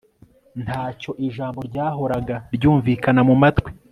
ntacyo! ijambo ryahoraga ryumvikana mu matwi ..